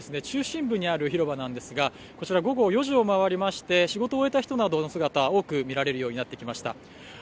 中心部にある広場なんですがこちら午後４時を回りまして仕事を終えた人などの姿多く見られるようになってきました。